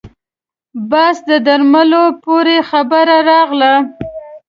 بس د درملو پورې خبره راغله.